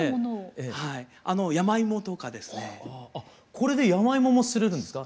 これで山芋もすれるんですか。